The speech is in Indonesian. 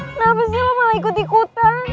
kenapa sih lo malah ikut ikutan